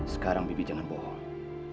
sekarang bibi jangan bohong